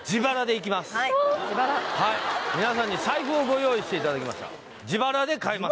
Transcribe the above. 皆さんに財布をご用意していただきました自腹で買います